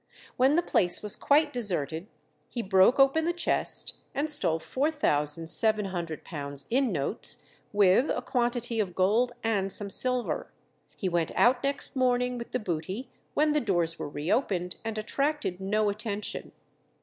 When the place was quite deserted he broke open the chest and stole £4700 in notes, with a quantity of gold and some silver. He went out next morning with the booty when the doors were re opened, and attracted no attention.